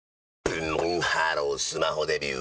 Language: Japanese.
ブンブンハロースマホデビュー！